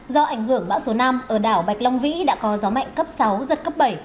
do ảnh hưởng bão số năm ở đảo bạch long vĩ đã có gió mạnh cấp sáu giật cấp bảy